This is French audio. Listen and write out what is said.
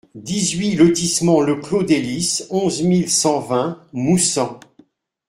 dix-huit lotissement Le Clos des Lys, onze mille cent vingt Moussan